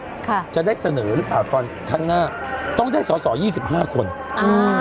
ค่ะจะได้เสนอหรือเปล่าตอนข้างหน้าต้องได้สอสอยี่สิบห้าคนอ่า